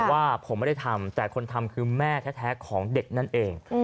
ว่าผมไม่ได้ทำแต่คนทำคือแม่แท้ของเด็กนั่นเอง